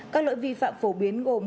các lỗi vi phạm phổ biến gồm